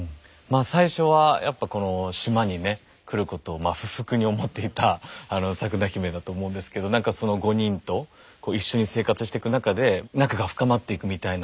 あ最初はやっぱこの島にね来ることをまあ不服に思っていたサクナヒメだと思うんですけど何かその５人と一緒に生活してく中で仲が深まっていくみたいな。